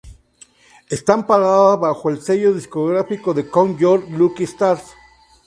Esta amparada bajo el sello discográfico de "Count Your Lucky Stars".